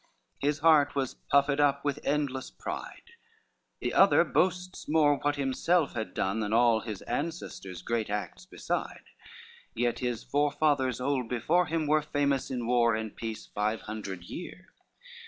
His heart was puffed up with endless pride: The other boasts more what himself had done Than all his ancestors' great acts beside; Yet his forefathers old before him were Famous in war and peace five hundred years.